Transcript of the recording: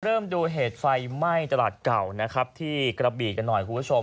ดูเหตุไฟไหม้ตลาดเก่านะครับที่กระบีกันหน่อยคุณผู้ชม